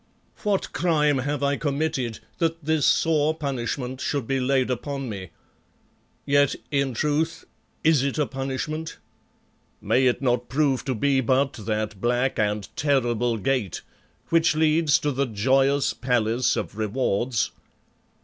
What crime have I committed that this sore punishment should be laid upon me? Yet, in truth, is it a punishment? May it not prove to be but that black and terrible Gate which leads to the joyous palace of Rewards?